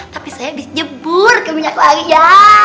tapi saya abis nyebur ke minyak wangi ya